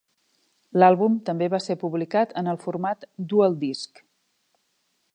L'àlbum també va ser publicat en el format DualDisc.